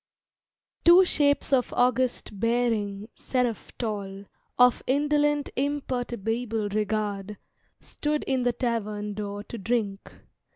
Two shapes of august bearing, seraph tall, Of indolent imperturbable regard, Stood in the Tavern door to drink.